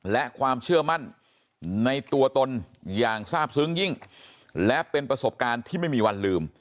และความเชื่อมั่นในตัวตนอย่างทราบซึ้งยิ่งและเป็นประสบการณ์ที่ไม่มีวันลืม